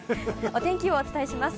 お天気をお伝えします。